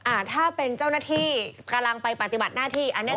อ่าถ้าเป็นเจ้าหน้าที่กำลังไปปฏิบัติหน้าที่อันเนี้ย